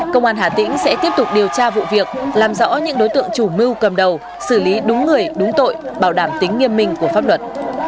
công an hà tĩnh sẽ tiếp tục điều tra vụ việc làm rõ những đối tượng chủ mưu cầm đầu xử lý đúng người đúng tội bảo đảm tính nghiêm minh của pháp luật